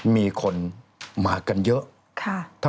มีคนมากันเยอะ